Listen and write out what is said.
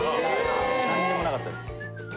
何もなかったです。